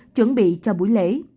chuẩn bị cho buổi lễ